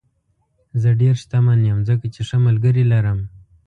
زه ډېر شتمن یم ځکه چې ښه ملګري لرم.